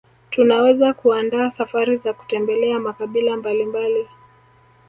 Tunaweza kuandaa safari za kutembelea makabila mbalimbali